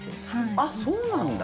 あっ、そうなんだ！